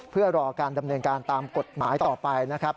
เพื่อรอการดำเนินการตามกฎหมายต่อไปนะครับ